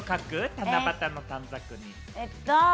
七夕の短冊に。